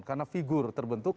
karena figur terbentuk